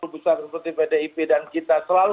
besar seperti pdip dan kita selalu